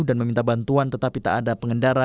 meminta bantuan tetapi tak ada pengendara